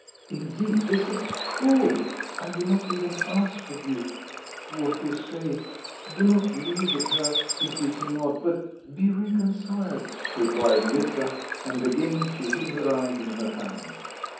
Indeed, this is cruel!" "I do not even ask of you... what you say; do not live with her, if you cannot; but be reconciled," replied Lisa and again she hid her eyes in her hand.